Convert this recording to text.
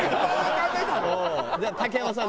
じゃあ竹山さん